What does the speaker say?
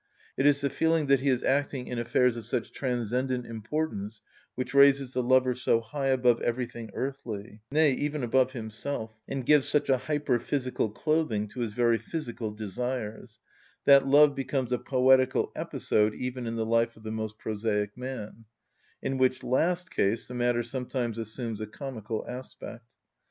It is the feeling that he is acting in affairs of such transcendent importance which raises the lover so high above everything earthly, nay, even above himself, and gives such a hyperphysical clothing to his very physical desires, that love becomes a poetical episode even in the life of the most prosaic man; in which last case the matter sometimes assumes a comical aspect.